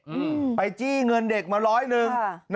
อืมไปจี้เงินเด็กมาร้อยหนึ่ง